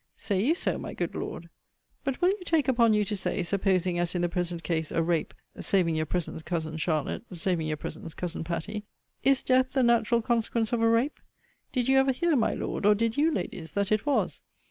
Say you so, my good Lord? But will you take upon you to say, supposing (as in the present case) a rape (saving your presence, cousin Charlotte, saving your presence, cousin Patty) Is death the natural consequence of a rape? Did you ever hear, my Lord, or did you, Ladies, that it was?